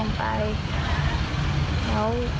ไม่คิดว่า